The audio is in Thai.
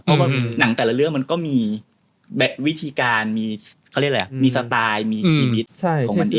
เพราะว่าหนังแต่ละเรื่องมันก็มีแบบวิธีการมีสไตล์มีชีวิตของมันเอง